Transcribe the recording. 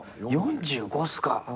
４５っすか！